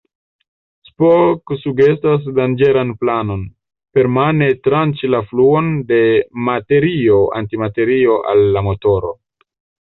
Spock sugestas danĝeran planon: permane tranĉi la fluon de materio-antimaterio al la motoro.